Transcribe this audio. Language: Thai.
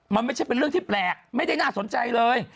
มันไม่ใช่เป็นเรื่องที่แปลกไม่ได้น่าสนใจเลย